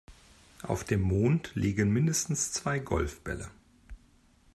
Auf dem Mond liegen mindestens zwei Golfbälle.